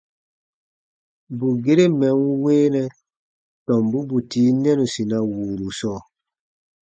Bù gere mɛ̀ n weenɛ tɔmbu bù tii nɛnusina wùuru sɔɔ.